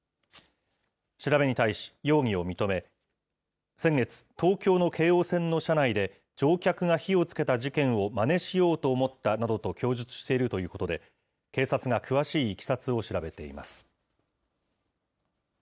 調べに対し、容疑を認め、先月、東京の京王線の車内で、乗客が火をつけた事件をまねしようと思ったなどと供述しているということで、警察が詳しいいきさつを調べています。